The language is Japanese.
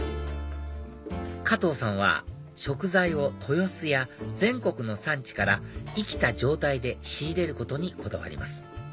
加藤さんは食材を豊洲や全国の産地から生きた状態で仕入れることにこだわります